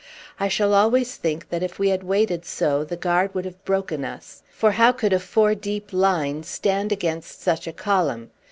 I shall always think that if we had waited so the Guard would have broken us; for how could a four deep line stand against such a column?